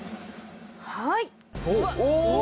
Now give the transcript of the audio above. はい！